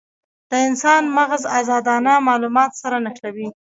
د انسان مغز ازادانه مالومات سره نښلوي.